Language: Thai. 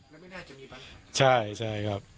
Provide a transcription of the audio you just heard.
มันไม่น่าจะมีปัญหาค่ะใช่ครับ